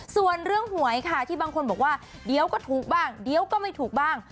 ส่วนเรื่องหวยค่ะที่บางคนบอกว่าเดี๋ยวก็ถูกบ้างเดี๋ยวก็ไม่ถูกบ้าง